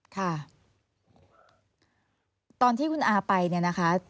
ค่ะตอนที่คุณอาไปเนี่ยนะคะ